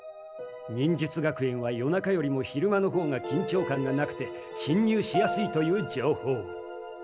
忍術学園は夜中よりも昼間のほうがきんちょう感がなくて侵入しやすいという情報。